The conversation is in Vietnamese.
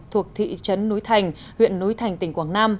thuộc thị trấn núi thành huyện núi thành tỉnh quảng nam